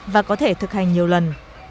và có thể thực hành nhiều lần